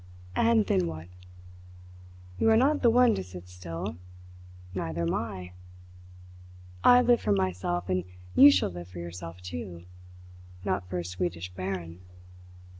And then what? You are not the one to sit still; neither am I. I live for myself, and you shall live for yourself, too not for a Swedish baron.